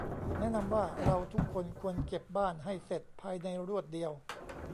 แนะนำว่า เราทุกคนควรเก็บบ้านให้เสร็จภายในรวดเดียว